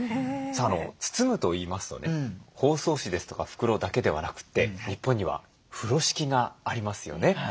さあ包むといいますとね包装紙ですとか袋だけではなくて日本には風呂敷がありますよね。